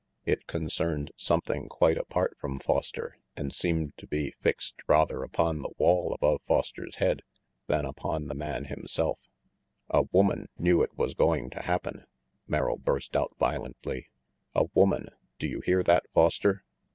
It concerned something quite apart from Foster and seemed to be fixed rather .upon the wall above Foster's head than upon the man himself. RANGY PETE 183 "A woman knew it was going to happen!" Merrill burst out violently. "A woman! Do you hear that, Foster?"